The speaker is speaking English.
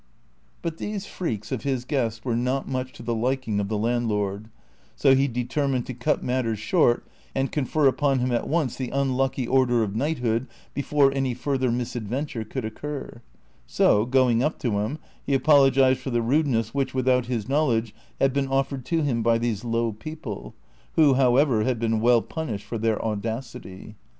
But these freaks of his guest Avere not much to the liking of the hmtUoi d, so he determined to cut matters short and confer upon him at once the unlucky order of knighthood before any further misadventure coukl occur; so, going up to him, lie apologized for the rudeness which, without his knowledge, had been offered to him by these low people, who, however, had been well punished for their audacity.